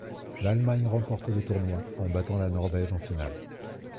L'Allemagne remporte le tournoi en battant la Norvège en finale.